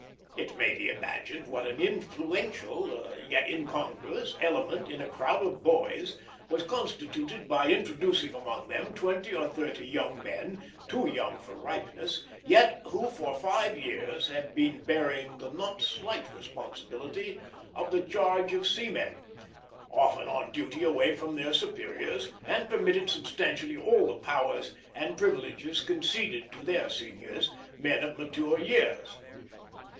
It may be imagined what an influential, yet incongruous, element in a crowd of boys was constituted by introducing among them twenty or thirty young men, too young for ripeness, yet who for five years had been bearing the not slight responsibility of the charge of seamen, often on duty away from their superiors, and permitted substantially all the powers and privileges conceded to their seniors, men of mature years.